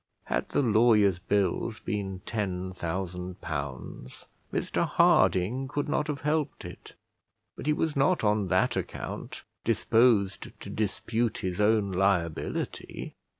Had the lawyers' bills been ten thousand pounds, Mr Harding could not have helped it; but he was not on that account disposed to dispute his own liability.